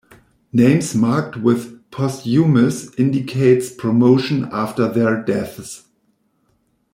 Names marked with "posthumous" indicates promotion after their deaths.